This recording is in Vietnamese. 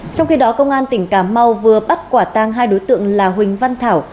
trong khi đó công an tỉnh cà mau vừa bắt quả tang hai đối tượng là huỳnh văn thảo